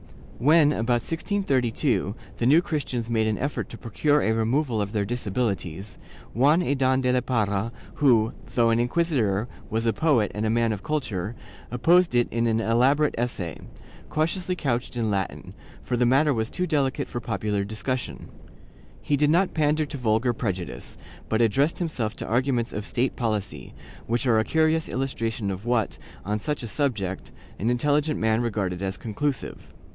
* When, about 1632, the New Christians made an effort to procure a removal of their disabilities, Juan Adan de la Parra who, though an inquisitor was a poet and a man of culture, opposed it in an elaborate essay, cautiously couched in Latin, for the matter was too delicate for popular discussion. He did not pander to vulgar prejudice, but addressed himself to arguments of state policy, which are a curious illustration of what, on such a subject, an intelligent man regarded as conclusive.